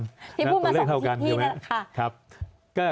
พี่พูดมาสักทีพี่พูดมาสักทีใช่ไหม